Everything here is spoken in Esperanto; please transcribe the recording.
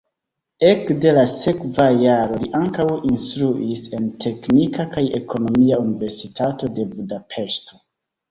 Ekde la sekva jaro li ankaŭ instruis en Teknika kaj Ekonomia Universitato de Budapeŝto.